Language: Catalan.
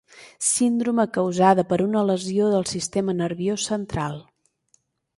Síndrome causada per una lesió del sistema nerviós central.